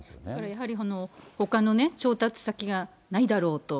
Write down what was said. やはりほかの調達先がないだろうと。